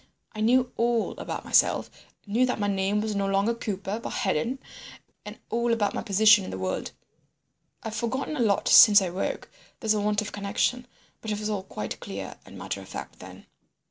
I knew all about myself, knew that my name was no longer Cooper but Hedon, and all about my position in the world. I've forgotten a lot since I woke—there's a want of connection—but it was all quite clear and matter of fact then."